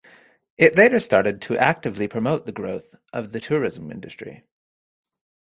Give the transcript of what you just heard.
It later started to actively promote the growth of the tourism industry.